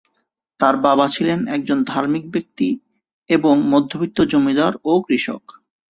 তার বাবা ছিলেন একজন ধার্মিক ব্যক্তি এবং মধ্যবিত্ত জমিদার ও কৃষক।